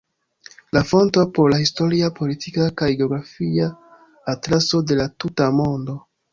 La fonto por la "Historia, Politika kaj Geografia Atlaso de la tuta mondo.